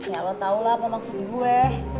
ya lo tau lah apa maksud gue